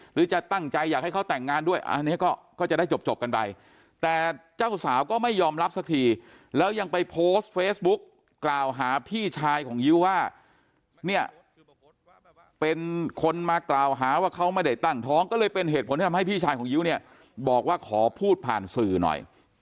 หรือจะตั้งใจอยากให้เขาแต่งงานด้วยอันนี้ก็จะได้จบกันไปแต่เจ้าสาวก็ไม่ยอมรับสักทีแล้วยังไปโพสต์เฟซบุ๊กกล่าวหาพี่ชายของยิ้วว่าเนี่ยเป็นคนมากล่าวหาว่าเขาไม่ได้ตั้งท้องก็เลยเป็นเหตุผลที่ทำให้พี่ชายของยิ้วเนี่ยบอกว่าขอพูดผ่านสื่อหน่อย